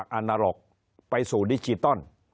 คนในวงการสื่อ๓๐องค์กร